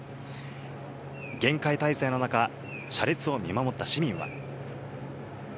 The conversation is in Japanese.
厳戒態勢の中、車列を見守った市民は。